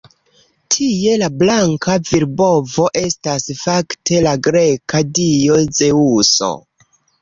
Tie la blanka virbovo estas fakte la greka dio Zeŭso.